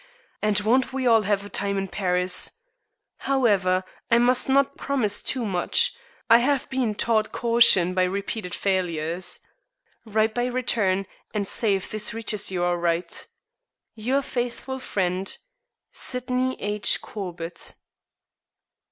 And won't we all have a time in Paris! However, I must not promise too much. I have been taught caution by repeated failures. Write by return, and say if this reaches you all right. "Your faithful friend, "SYDNEY H. CORBETT."